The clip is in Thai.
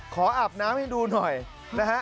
อาบน้ำให้ดูหน่อยนะฮะ